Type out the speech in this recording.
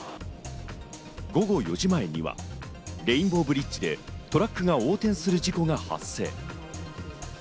午後４時前にはレインボーブリッジでトラックが横転する事故が発生。